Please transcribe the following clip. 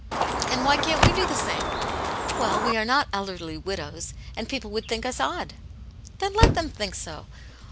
" And why can't we do the same ?"" Well, we are not elderly widows, and people would think us odd." " Then let them think so.